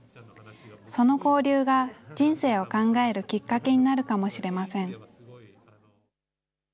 その交流が人生を考えるきっかけになるかもしれません。